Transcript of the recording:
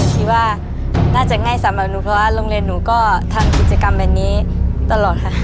คิดว่าน่าจะง่ายสำหรับหนูเพราะว่าโรงเรียนหนูก็ทำกิจกรรมแบบนี้ตลอดค่ะ